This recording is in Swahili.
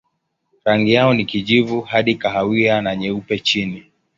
Rangi yao ni kijivu hadi kahawia na nyeupe chini.